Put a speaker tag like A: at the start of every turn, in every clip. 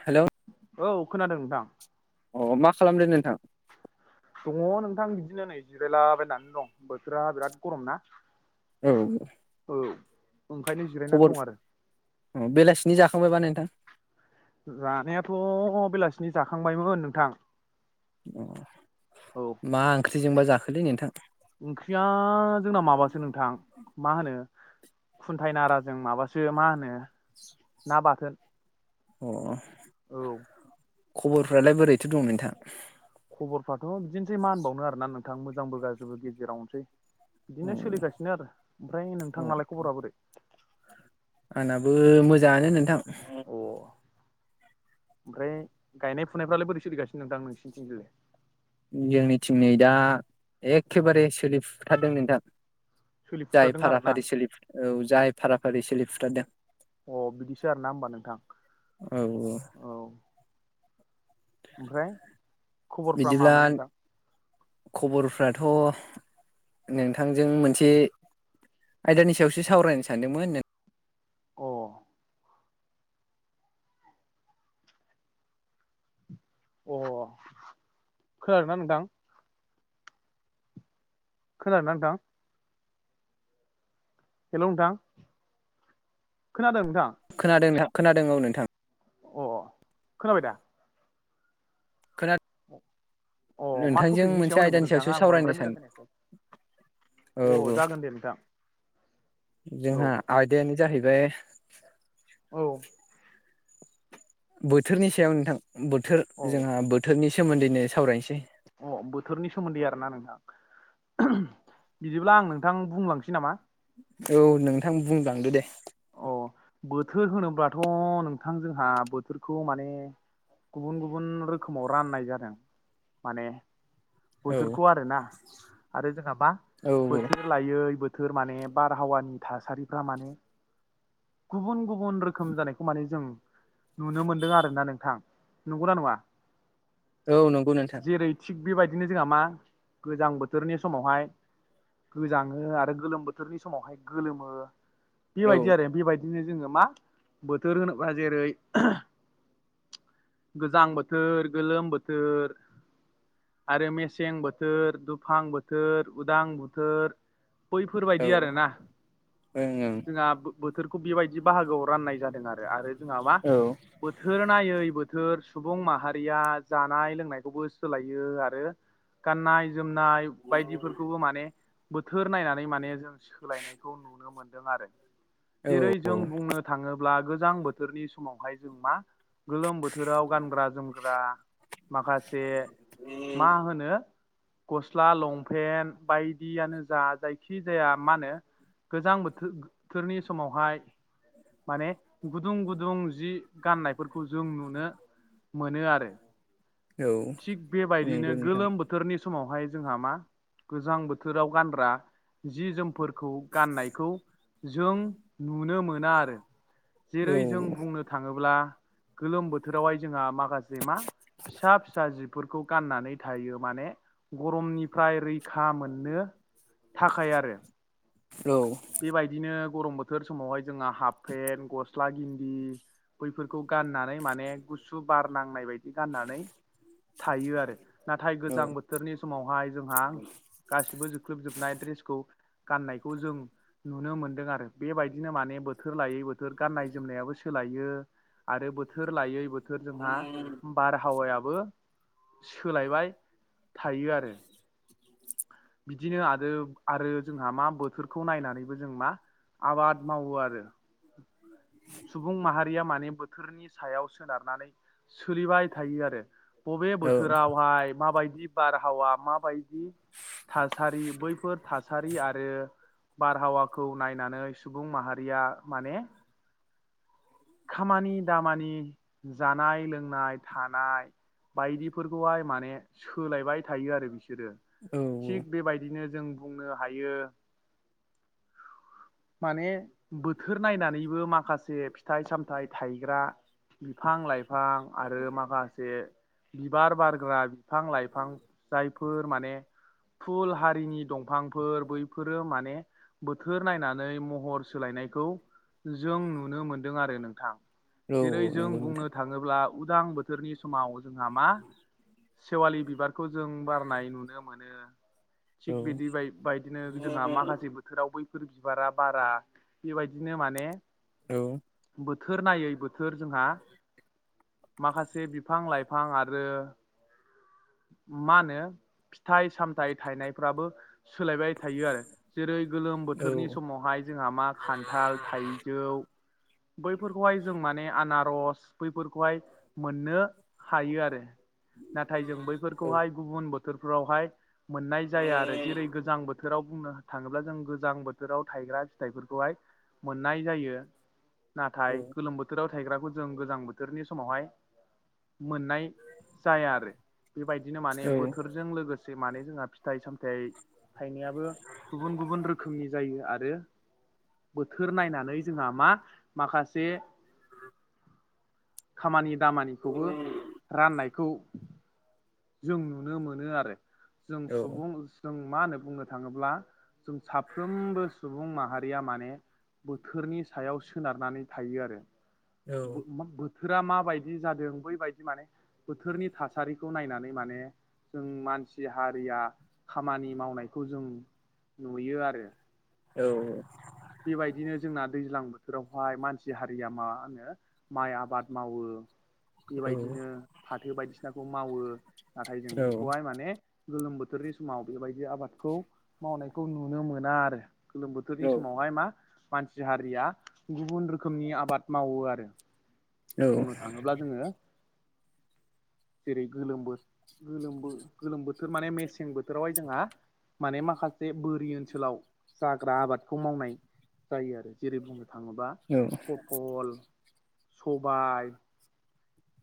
A: हेल'
B: औ खोनादों नोंथां।
A: अ मा खालामदों नोंथां?
B: दङ नोंथां बिदिनो नै जिरायलाबायनानै दं बोथोरा बिराद गरम ना।
A: औ
B: औ ओंखायनो जिरायनानै
A: खबर
B: दं आरो।
A: अ बेलासिनि जाखांबायबा नोंथां?
B: जानायाथ' बेलासिनि जाखांबायमोन नोंथां।
A: अ
B: औ
A: मा ओंख्रिजोंबा जाखोलै नोंथां?
B: ओंख्रिया जोंना माबासो नोंथां मा होनो खुन्थाइ नाराजों माबासो मा होनो ना बाथोन।
A: अ
B: औ
A: [inaudible] खबरफ्रालाय बोरैथो दं नोंथां?
B: खबरफ्राथ' बिदिनोसै मा होनबावनो आरोना नोंथां मोजांबो गाज्रिबो गेजेरावनोसै
A: अ
B: बिदिनो सोलिगासि नो आरो, ओमफ्राय
A: अ
B: नोंथानालाय खबरा बोरै?
A: आंनाबो मोजाङानो नोंथां।
B: अ ओमफ्राय गायनाय फुनायफ्रालाय बोरै सोलिगासिनो नोंथां नोंसिनिथिंजाय?
A: जोंनिथिं नै दा एखेबारे सोलिफुथारदों नोंथां। जाय
B: सोलिफुथारदों आरो ना
A: फाराफारि सोलि फुं औ जाय फाराफारि सोलिफुथारदों।
B: अ बिदिसो आरोना होमबा नोंथां।
A: औ
B: औ ओमफ्राय खबरफ्रा
A: बिदिब्ला
B: मामोन नोंथां
A: खबरफ्राथ' नोंथांजों मोनसे आयदानि सायावसो सावरायनो सानदोंमोन।
B: अ अ खोनादोंना नोंथां? खोनादोंना नोंथां? हेल' नोंथां खोनादों नोंथां?
A: खोनादों नोंथां खोनादों औ नोंथां।
B: अ खोनाबाय दा?
A: खोना
B: अ मा
A: नोंथांजों
B: टपिकनि
A: मोनसे
B: सायाव होनदोंमोन
A: आयदानि सायावसो
B: नोंथाङा आं
A: सावरायनो
B: बांद्राय
A: सान
B: मोजां खोनायाखै?
A: औ
B: अ
A: औ
B: जागोन दे नोंथां। औ
A: जोंहा आयदायानो जाहैबाय
B: औ
A: बोथोरनि सायाव नोंथां बोथोर
B: औ
A: जोंहा बोथोरनि सोमोन्दैनो सावरायनोसै।
B: अ बोथोरनि सोमोन्दै आरोना नोंथां बिदिब्ला आं नोंथां बुंलांसै नामा?
A: औ नोंथां बुंलांदो दे
B: अ बोथोर होनोब्लाथ' नोंथां जोंहा बोथोरखौ माने गुबुन-गुबुन रोखोमाव राननाय जादों माने
A: औ
B: बोथोरखौ आरोना आरो जोंहाबा
A: औ औ
B: बोथोर लायै बोथोर माने बारहावानि थासारिफ्रा माने गुबुन-गुबुन रोखोम जानायखौ माने जों नुनो मोनदों आरोना नोंथां, नंगौना नङा?
A: औ नंगौ नोंथां।
B: जेरै थिग बेबायदिनो जोंहा मा गोजां बोथोरनि समावहाय गोजाङो आरो गोलोम बोथोरनि समावहाय गोलोमो
A: औ
B: बेबायदि आरो बेबायदि बिदिनो जोङो मा बोथोर होनोब्ला जेरै गोजां बोथोर गोलोम बोथोर आरो मेसें बोथोर दुफां बोथोर उदां बोथोर।
A: औ
B: बैफोरबायदि
A: ओं
B: आरोना
A: ओं
B: जोंहा बोथोरखौ बेबायदि बाहागोआव राननाय जादों आरो आरो जोंहा मा
A: औ
B: बोथोर नायै बोथोर सुबुं माहारिया जानाय लोंनायखौबो सोलायो आरो गाननाय-जोमनाय। बायदिफोरखौबो माने बोथोर नायनानै माने जों सोलायनायखौ नुनो मोनदों आरो
A: औ
B: जेरै जों बुंनो थाङोब्ला गोजां बोथोरनि समावहाय जों मा गोलोम बोथोराव गानग्रा-जोमग्रा माखासे मा होनो गस्ला लंपेन्ट बाय दियानो जा जायखि जाया मा होनो गोजां बोथोर-बोथोरनि समावहाय माने गुदुं-गुदुं जि गाननायफोरखौ जों नुनो मोनो आरो।
A: औ।
B: थिग
A: नंगौ
B: बेबायदिनो
A: नोंथां
B: गोलोम बोथोरनि समावहाय जोंहा मा गोजां बोथोराव गानग्रा जि जोमफोरखौ गाननायखौ जों नुनो मोना आरो।
A: औ
B: जेरै जों बुंनो थाङोब्ला गोलोम बोथोरावहाय जोंहा माखसे मा फिसा-फिसा जि फोरखौ गाननानै थायो माने गरमनिफ्राय रैखा मोननो थाखाय आरो।
A: औ।
B: बेबायदिनो गरम बोथोर समावहाय जोंहा हाफ पेन्ट गस्ला गिन्दि बैफोरखौ गाननानै माने गुसु बार नांनाय बायदि गाननानै थायो आरो। नाथाय गोजां बोथोरनि समावहाय जोंहा। गासिबो जोख्लोबजोबनाय ड्रेसखौ गाननायखौ जों नुनो मोन्दों आरो बेबायदिनो माने बोथोर लायै बोथोर गाननाय जोमनायाबो सोलायो आरो बोथोर लायै बो थोर जोंहा बारहावायाबो सोलायबाय थायो आरो बिदिनो आरो आरो जोंहा मा बो थोरखौ नायनानैबो जों मा आबाद मावो आरो सुबुं माहारिया माने बोथोरनि सायाव सोनारनानै सोलिबाय थायो आरो बबे
A: औ
B: बोथोरावहाय माबायदि‌ बारहावा माबायदि थासारि बैफोर थासारि आ दायो बारहावाखौ नायनानै सुबुं माहारिया माने खामानि दामानि जानाय लोंनाय थानाय बायदिफोरखौहाय माने सोलायबाय थायो आरो बिसोरो। थिग बेबायदिनो जों बुंनो हायो। माने बोथोर नायनानैबो माखासे फिथ थाइ सामथाइ थायग्रा बिफां लाइफां आरो माखासे बिबार बारग्रा बिफां लाइफां जायफोर माने फुल हारिनि दंफांफोर बैफोरो माने बोथोर नायनानै महर सोलायनायखौ जों नुनो मोनदों आरो नोंथां।
A: औ
B: जेरै जों
A: नंगौ नोंथां
B: बुंनो थाङोब्ला उदां बोथोरनि समाव जोंहा मा? सेवालि बिबारखौ जों बारनाय नुनो मोनो।
A: औ
B: थिग बिदि बाय बायदिनो जोंहा माखासे बोथोराव बैफोर बिबारा बारा बेबायदिनो माने
A: औ।
B: बोथोर नायै बोथोर जोंहा माखासे बिफां लाइफां आरो मा होनो? फिथाइ सामथाइ थायनायफ्राबो सोलायबाय थायो आरो जेरै गोलोम
A: औ
B: बोथोरनि समावहाय जोंहा मा खान्थाल थाइजौ बैफोरखौहाय जों माने आनारस बैफोरखौहाय मोननो हायो आरो आरो। नाथाय जों
A: औ
B: बैफोरखौहाय गुबुन बोथोरफोरावहाय मोननाय जाया आरो जेरै गोजां बो थोराव बुंनो थाङोब्ला जों गोजां बोथोराव थायग्रा फिथाइफोरखौहाय मोननाय जायो।
A: औ
B: नाथाय गोलोम बो थोराव थायग्राखौ जों गोजां बोथोरनि समावहाय मोननाय जाया आरो। बेबायदिनो माने
A: औ
B: बोथोरजों लोगोसे माने जोंहा फिथाइ सामथाइ थाइनायाबो गुबुन गुबुन रोखोमनि जायो आरो बोथोर नायनानै जोंहा मा माखासे
A: [inaudible]
B: खामानि दामानिखौबो राननायखौ जों नुनो मोनो आरो जों सुबुं जों मा होनो बुंनो थाङोब्ला जों साफ्रोमबो सुबुं माहारिया माने बोथोरनि सायाव सोनारनानै थायो आरो बो मा बो थोरा माबायदि जादों बैबायदि माने बोथोरनि थासारिखौ नायनानै माने जों मानसि हारिया खामानि मावनायखौ जों नुयो आरो।
A: औ।
B: बेबायदिनो जोंना दैज्लां बोथोरावहाय मानसि हारिया मा होनो? माइ आबाद मावो। बेबायदिनो फाथो बायदिसिनाखौ मावो नाथाय जों बेखौहाय माने गोलोम बोथोरनि समाव बेबायदि आबादखौ मावनायखौ नुनो मोना आरो गोलोम बोथोर समावहाय मा मानसि हारिया गुबुन रोखोमनि आबाद मावो आरो। बुंनो थाङोब्ला जोङो जेरै गोलोम बोथ गोलोम बो गोलोम बोथोर माने मेसें बोथोरावहाय जोंहा माने माखासे बोरि ओनसोलाव जाग्रा आबाद खौ मावनाय जायो आरो जेरै बुंनो थाङोबा
A: औ।
B: फथ'ल, सबाय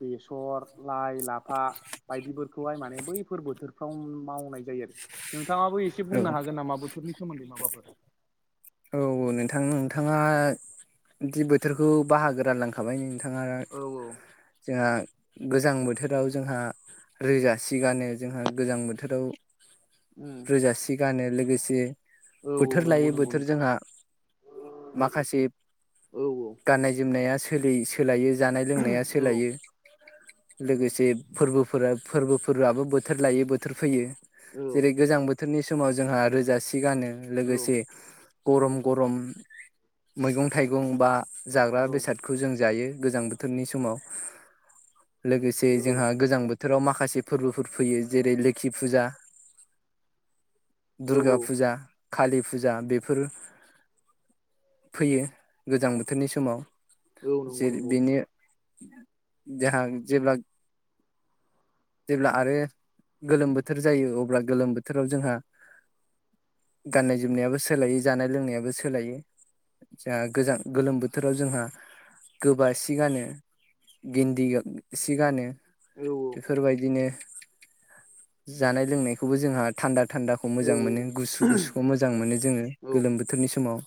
B: बेसर लाइ लाफा बायदिफोरखौहाय माने बैफोर बोथोरफ्राव मावनाय जायो। नोंथाङाबो एसे
A: औ
B: बुंनो हागोन नामा बोथोरनि सोमोन्दै माबाफोर?
A: औ नोंथां नोंथाङा दि बोथोरखौ बाहागो रानलां थाबाय नोंथाङा
B: औ औ
A: जोंहा गोजां बोथोराव जोंहा रोजा सिगानो जोंहा गोजां बोथोराव
B: उम
A: जा सि गानो लोगोसे
B: औ
A: बोथोर
B: नंगौ
A: लायै बोथोर
B: नंगौ
A: थोर
B: नोंथां
A: जोंहा माखासे
B: औ
A: गाननाय जोमनाया सोलि सोलायो जानाय लोंनाया
B: औ
A: सोलायो। लोगोसे फोरबोफोरा फोरबोफोरआबो बोथोर लायै बोथोर फैयो।
B: औ
A: जेरै गोजां बोथोरनि समाव जोंहा रोजासि गानो
B: औ
A: लोगोसे गरम गरम मैगं थाइगं बा जाग्रा बेसाद खौ जों जायो गोजां बोथोरनि समाव लोगोसे
B: औ
A: जोंहा गोजां बोथ थोराव माखासे फोरबोफोर फैयो जेरै लोखि फुजा।
B: औ
A: दुर्गा फुजा कालि फुजा बे फोर फैयो गोजां बोथोरनि समाव।
B: औ नंगौ
A: जे
B: नंगौ
A: बेनि जोंहा जेब्ला जेब्ला आरो गोलोम बोथोर जायो अब्ला गोलोम बोथोराव जोंहा गाननाय जोमनायाबो सोलायो जानाय लोंनायाबो सोलायो। जोंहा गोजां गोलोम बोथोराव जोंहा गोबा सि गानो। गिन्दि सि गानो।
B: औ
A: बेफोरबायदिनो जानाय लोंनायखौबो जोंहा थान्दा थान्दाखौ खौ
B: औ
A: मोजां मोनो गुुसु गुसुखौ मोजां मोनो जोङो
B: औ
A: गोलम बोथोरनि समाव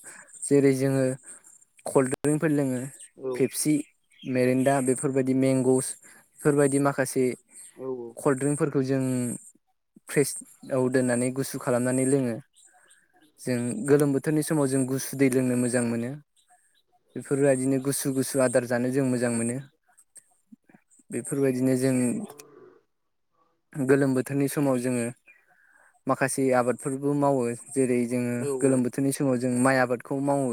A: जेरै जोङो कल्ड ड्रिंकफोर लोङो फेपसि मेरेन्दा बेफोरबायदि मेंग'स बेफोरबायदि माखासे
B: औ
A: कल्ड्रिंकफोर खौ जों फ्रेसआव दोननानै गुसु खालामनानै लोङो। जों गोलोम बोथोरनि समाव जों गुसु दै लोंनो मोजां मोनो। बेफोरबायदिनो गुसु गुसु आदार जानो जों मोजां मोनो। बेफोरबायदिनो जों गोलोम बोथोरनि समाव जोङो माखासे आबादफोरबो मावो जेरै जोङो
B: औ औ
A: गोलोम बोथ थोरनि समाव जों माइ आबादखौ मावो।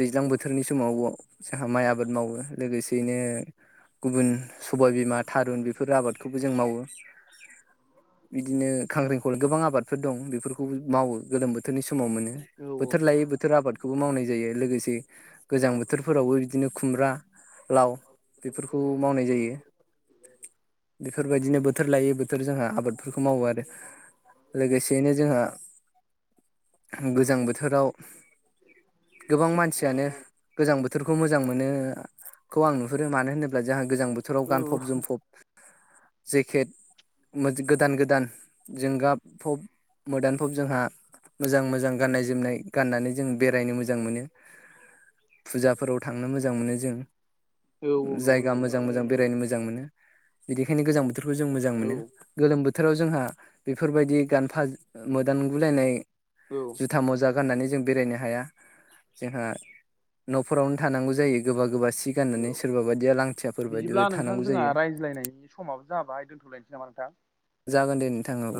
A: दैज्लां बोथोरनि समाव जोंहा माइ आबाद मावो लोगोसेयैनो गुबुन सबाय बिमा थारुन बेफोर आबादखौबो जों मावो। बिदिनो ख्रांख्रिंखल गोबां आबादफोर दं बेफोरखौबो मावो। गोलोम बोथोरनि समाव मोनो बोथोर लायै बोथोर आबाद खौबो मावनाय जायो लोगोसे गोजां बोथोरफोरावबो बिदिनो खुमब्रा लाव बेफोरखौ मावनाय जायो बे बेफोरबायदिनो बोथोर लायै बोथोर जोंहा आबादफोरखौ मावो आरो लोगोसेयैनो जोंहा गोजां बोथोराव गोबां मानसियानो गोजां बोथोरखौ मोजां मोनो। खौ आं नुहुरो मानो होनोब्ला जोंहा गोजां बोथोराव गानफब जोमफब जेकेट मोज गोदान गोदान जोंगा फब मोदानफब जोंहा मोजां मोजां गाननाय जोमनाय गाननानै जों बेरायनो मोजां मोनो। फुजाफोराव थांनो मोजां मोनो जों
B: नंगौ
A: जायगा
B: नंगौ नोंथां
A: मोजां मोजां बेरायनो मोजां मोजां मोनो बिनिखायनो गोजां बोथोरखौ जों मोजां
B: औ
A: मोनो। गोलोम बोथोराव जोंहा बेफोरबायदि गानफा मोदानगुलायनाय
B: औ
A: जुथा मजा गाननानै जों बेरायनो हाया। जोंहा न'फोरावनो थानांगौ जायो गोबा गोबा सि गाननानै
B: औ
A: सोरबा बायदिया लांथियाफोर
B: बिदिब्ला
A: बायदिबो
B: नोंथां
A: थानांगौ जायो।
B: [unintelligible] समाबो जाबाय दोनथ'लायनोसै नामा नोंथां?
A: जागोन दे नोंथां औ।